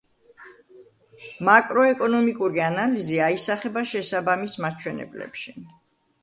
მაკროეკონომიკური ანალიზი აისახება შესაბამის მაჩვენებლებში.